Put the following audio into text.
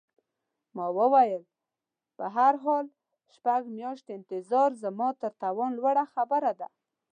ما وویل: په هر حال، شپږ میاشتې انتظار زما تر توان لوړه خبره ده.